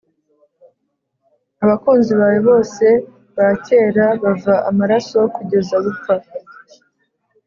abakunzi bawe bose bakera, bava amaraso kugeza gupfa.